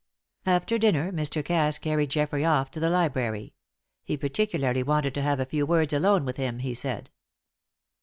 After dinner Mr. Cass carried Geoffrey off to the library; he particularly wanted to have a few words alone with him, he said.